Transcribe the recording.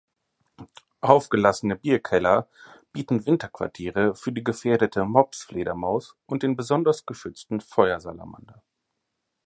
Aufgelassene Bierkeller bieten Winterquartiere für die gefährdete Mopsfledermaus und den besonders geschützten Feuersalamander.